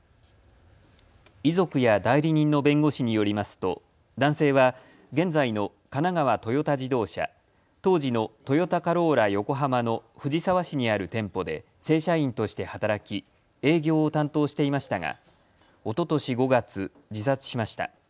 遺族や代理人の弁護士によりますと男性は現在の神奈川トヨタ自動車、当時のトヨタカローラ横浜の藤沢市にある店舗で正社員として働き営業を担当していましたがおととし５月、自殺しました。